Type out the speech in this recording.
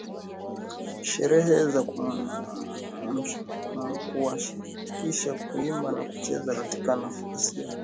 sherehe za kuwashirikisha kuimba na kucheza katika nafasi ya ukeketaji